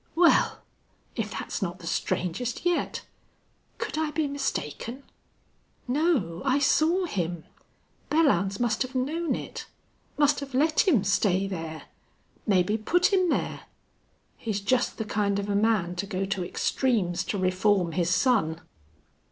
"Well!... If thet's not the strangest yet! Could I be mistaken? No. I saw him.... Belllounds must have known it must have let him stay there.... Maybe put him there! He's just the kind of a man to go to extremes to reform his son."